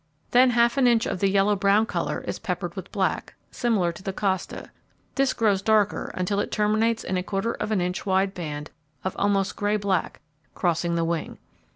Then half an inch of the yellow brown colour is peppered with black, similar to the costa; this grows darker until it terminates in a quarter of an inch wide band of almost grey black crossing the wing.